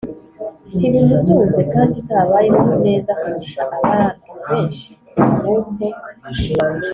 ntibimutunze kandi ntabayeho neza kurusha abantu benshi? Ahubwo